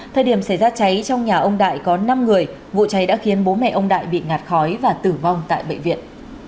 thời điểm xảy ra cháy trong nhà ông đại có năm người vụ cháy đã khiến bố mẹ ông đại bị ngạt khói và tử vong tại bệnh viện